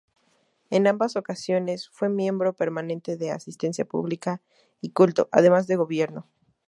En ambas ocasiones fue miembro permanente de Asistencia Pública y Culto, además de Gobierno.